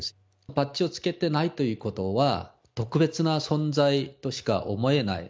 バッジをつけてないということは、特別な存在としか思えない。